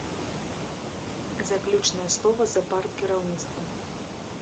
Заключнае слова за парткіраўніцтвам.